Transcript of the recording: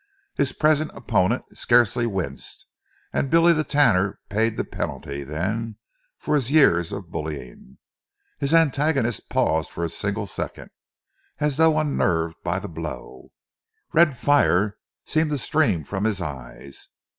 His present opponent scarcely winced, and Billy the Tanner paid the penalty then for his years of bullying. His antagonist paused for a single second, as though unnerved by the blow. Red fire seemed to stream from his eyes.